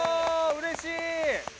うれしい！